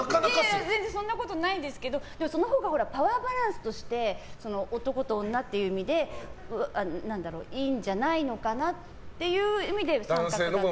全然そんなことないですけどでも、そのほうがパワーバランスとして男と女っていう意味でいいんじゃないのかなっていう意味で△だったんですけど。